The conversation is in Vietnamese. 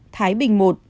thái bình một